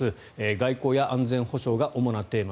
外交や安全保障が主なテーマ。